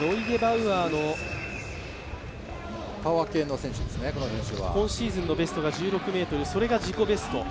ノイゲバウアの今シーズンのベストが１６ｍ、それが自己ベスト。